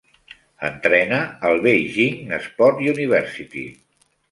Entrena a Beijing Sport University.